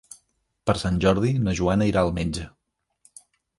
Per Sant Jordi na Joana irà al metge.